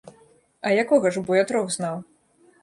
А якога ж, бо я трох знаў?